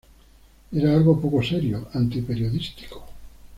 Era algo poco serio, anti-periodístico".